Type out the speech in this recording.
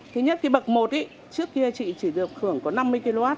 thứ nhất cái bậc một ý trước kia chị chỉ được hưởng có năm mươi kw